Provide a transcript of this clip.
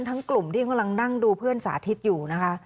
กลุ่มที่กำลังนั่งดูเพื่อนสาธิตอยู่นะคะ